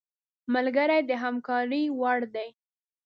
ملګری د همکارۍ وړ دی